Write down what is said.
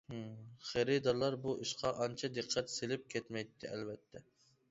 خېرىدارلار بۇ ئىشقا ئانچە دىققەت سېلىپ كەتمەيتتى، ئەلۋەتتە.